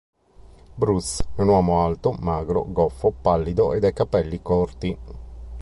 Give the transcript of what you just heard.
Broots è un uomo alto, magro, goffo, pallido e coi capelli corti.